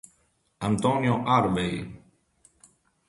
Antonio Harvey